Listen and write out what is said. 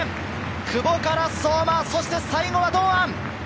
久保から相馬、そして最後は堂安。